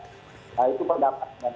saya kira itu pada sah saja